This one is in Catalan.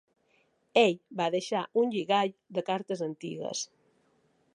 Ell va deixar un lligall de cartes antigues.